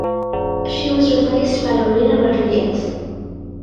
She was replaced by Marina Rodriguez.